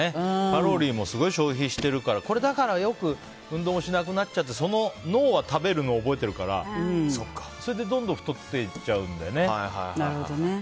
カロリーもすごい消費してるから運動もしなくなっちゃって脳は食べるのを覚えているからそれで、どんどん太っていっちゃうんだよね。